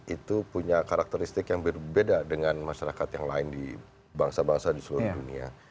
itu punya karakteristik yang berbeda dengan masyarakat yang lain di bangsa bangsa di seluruh dunia